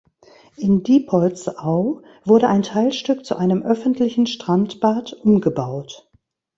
In Diepoldsau wurde ein Teilstück zu einem öffentlichen Strandbad umgebaut.